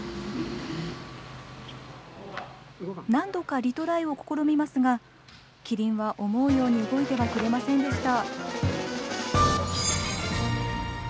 何度かリトライを試みますがキリンは思うように動いてはくれませんでした。